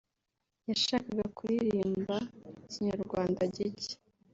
yashakaga kuririmba Ikinyarwanda gike